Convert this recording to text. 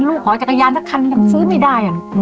ขอจักรยานสักคันยังซื้อไม่ได้